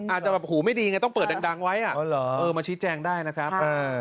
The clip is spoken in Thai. อาจจะแบบหูไม่ดีไงต้องเปิดดังไว้มาชี้แจงได้นะครับ